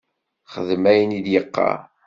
Xdem ayen i d-yeqqar!